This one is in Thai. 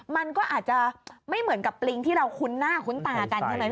มันก็อาจจะไม่เหมือนกับปลิงที่เราคุ้นหน้าคุ้นตากันใช่ไหม